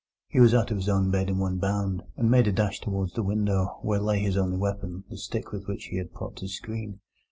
He was out of his own bed in one bound, and made a dash towards the window, where lay his only weapon, the stick with which he had propped his screen.